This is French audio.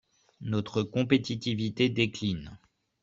Notre compétitivité décline.